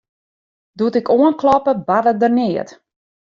Doe't ik oankloppe, barde der neat.